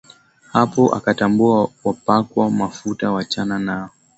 Hapo akatambua wapakwa mafuta, wachana nao.